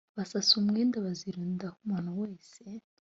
basasa umwenda bazirundaho umuntu wese